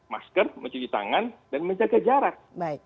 masker mencuci tangan dan menjaga jarak